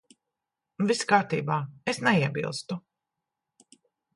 Viss kārtībā. Es neiebilstu.